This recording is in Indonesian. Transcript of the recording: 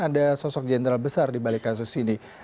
ada sosok jenderal besar dibalik kasus ini